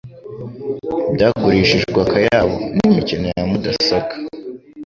byagurishijwe akayabo n, imikino ya mudasobwa